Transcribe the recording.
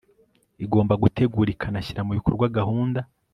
igomba gutegura ikanashyira mu bikorwa gahunda